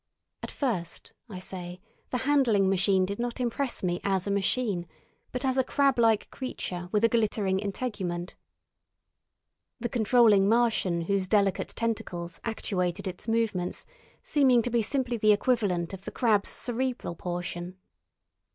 At first, I say, the handling machine did not impress me as a machine, but as a crablike creature with a glittering integument, the controlling Martian whose delicate tentacles actuated its movements seeming to be simply the equivalent of the crab's cerebral portion.